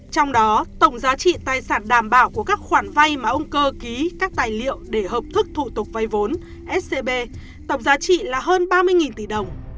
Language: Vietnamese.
trong đó tổng giá trị tài sản đảm bảo của các khoản vay mà ông cơ ký các tài liệu để hợp thức thủ tục vay vốn scb tổng giá trị là hơn ba mươi tỷ đồng